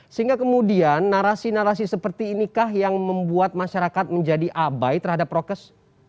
sehingga kemudian narasi narasi seperti inikah yang membuat masyarakat menjadi abai terhadap prokes